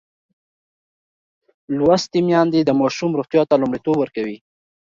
لوستې میندې د ماشوم روغتیا ته لومړیتوب ورکوي.